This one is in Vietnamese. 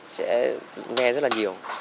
sẽ nghe rất là nhiều